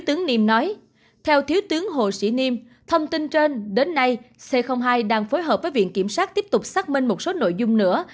thông tin trên đến nay c hai đang phối hợp với viện kiểm sát tiếp tục xác minh một số nội dung nữa